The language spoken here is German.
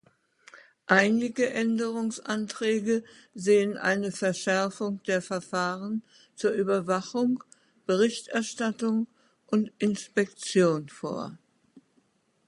Einige Änderungsanträge sehen eine Verschärfung der Verfahren zur Überwachung, Berichterstattung und Inspektion vor.